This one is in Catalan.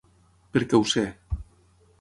Perquè ho sé.